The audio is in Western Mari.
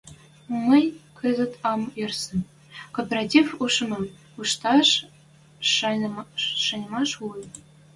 Мӹнь кӹзӹт ам йӓрсӹ, кооператив ушемӹм ӹштӓш шанымаш улы...